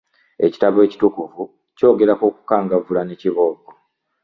Ekitabo ekitukuvu kyogera ku kukangavvula ne kibooko.